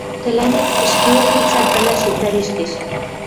— Тӹлӓнет ӹшкеок лицӓлт ӹлӓшет вӓрештеш.